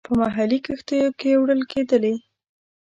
په محلي کښتیو کې وړل کېدلې.